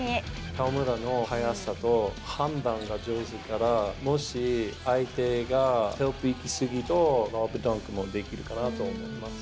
河村の速さと判断が上手だから、もし、相手が、ヘルプに行き過ぎると、ダンクもできるかなと思います。